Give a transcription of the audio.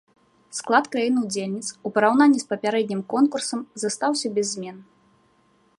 Склад краін-удзельніц у параўнанні з папярэднім конкурсам застаўся без змен.